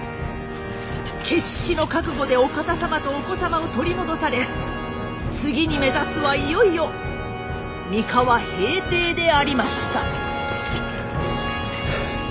決死の覚悟でお方様とお子様を取り戻され次に目指すはいよいよ三河平定でありました。